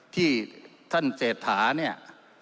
ที่ท่านเศรษฐาเนี่ย